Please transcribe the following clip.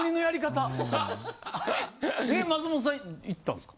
松本さん行ったんですか？